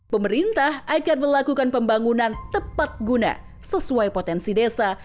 pemerintah akan melakukan pembangunan tepat guna sesuai potensi desa